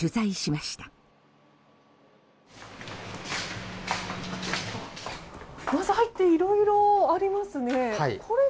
まず入っていろいろありますね。